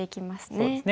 そうですね。